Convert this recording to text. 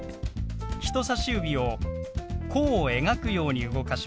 人さし指を弧を描くように動かします。